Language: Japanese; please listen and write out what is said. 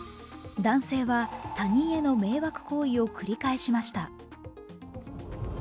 男性は他人への迷惑行為を繰り返しました。